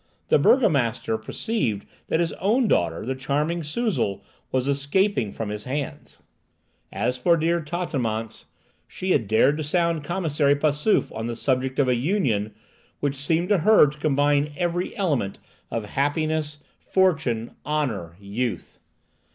The burgomaster perceived that his own daughter, the charming Suzel, was escaping from his hands. As for dear Tatanémance, she had dared to sound Commissary Passauf on the subject of a union, which seemed to her to combine every element of happiness, fortune, honour, youth!